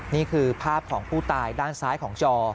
นี่คือภาพของผู้ตายด้านซ้ายของจอ